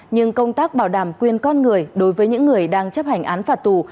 nhưng công tác bảo đảm quyền con người đối với những người đang chấp hành án phạt tù